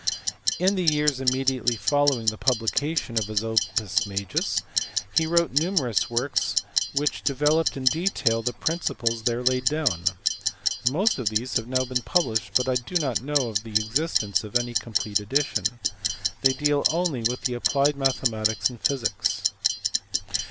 In the years immediately following the publication of his Opus majus he wrote numerous works which developed in detail the principles there laid down. Most of these have now been published but I do not know of the existence of any com plete edition. They deal only with applied mathematics and physics.